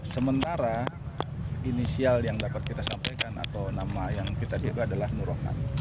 sementara inisial yang dapat kita sampaikan atau nama yang kita duga adalah nur rohman